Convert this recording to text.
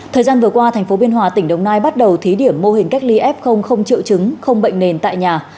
thời gian vừa qua thành phố biên hòa tỉnh đồng nai bắt đầu thí điểm mô hình cách ly f không triệu chứng không bệnh nền tại nhà